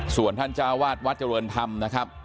ส่วนท่านเจ้าวาดวัดเจริญธรรมนะครับ